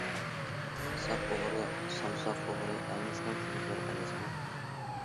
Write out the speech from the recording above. ساق ئوغرى سامساق ئوغرى ھەممىسىنىڭ تىلى بىر ئەمەسمۇ!